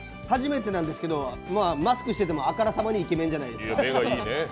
初めてなんですけどマスクしてても、あからさまにイケメンじゃないですか。